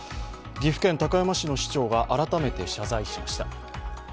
岐阜県高山市の市長が改めて謝罪しました。